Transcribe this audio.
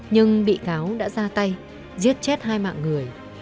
nhưng bị cáo đã ra tay giết chết hai mạng người